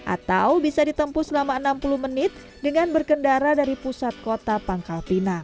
atau bisa ditempuh selama enam puluh menit dengan berkendara dari pusat kota pangkal pinang